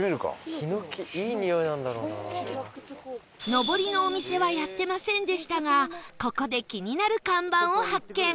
のぼりのお店はやってませんでしたがここで気になる看板を発見